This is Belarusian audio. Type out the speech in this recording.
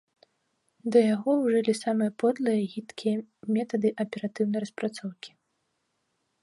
Да яго ўжылі самыя подлыя і гідкія метады аператыўнай распрацоўкі.